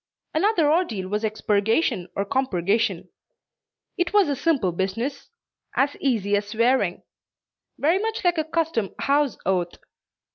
Another ordeal was expurgation or compurgation. It was a simple business "as easy as swearing;" very much like a "custom house oath."